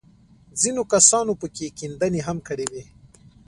ځينو کسانو پکښې کيندنې هم کړې وې.